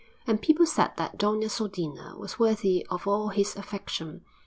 And people said that Doña Sodina was worthy of all his affection.